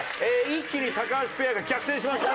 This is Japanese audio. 一気に高橋ペアが逆転しました。